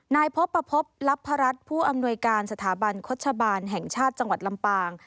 นายพบประพบลับพรัชผู้อำนวยการสถาบันโฆษบาลแห่งชาติจังหวัดลำปาง